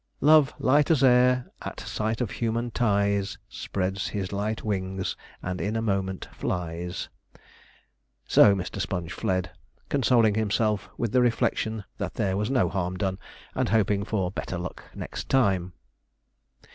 Love, light as air, at sight of human ties Spreads his light wings and in a moment flies. So Mr. Sponge fled, consoling himself with the reflection that there was no harm done, and hoping for 'better luck next time.'